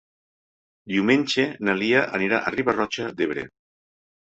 Diumenge na Lia anirà a Riba-roja d'Ebre.